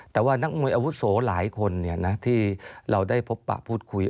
แต่ว่านักมวยอาวุโสหลายคนที่เราได้พบปะพูดคุย